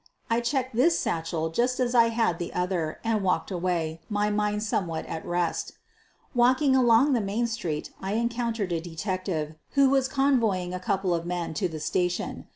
I checked this satchel just as I had the other, and walked away — my mind somewhat at rest Walking along the main street I encountered a detective who was convoying a couple of men to the station.